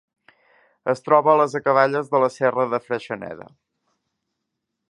Es troba a les acaballes de la Serra de Freixeneda.